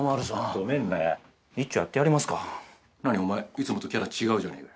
お前いつもとキャラ違うじゃねえか。